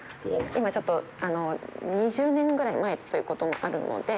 今ちょっと２０年ぐらい前という事もあるので。